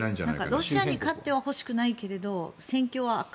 ロシアに勝ってはほしくないけれど戦況は悪化。